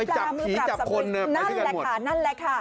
จับผีจับคนไอ้ที่กันหมด